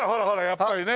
やっぱりね。